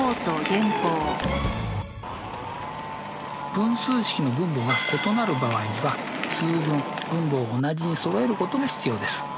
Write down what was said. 分数式の分母が異なる場合には通分分母を同じにそろえることが必要です。